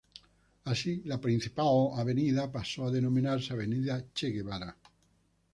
Así, la principal avenida pasó a denominarse Avenida Che Guevara.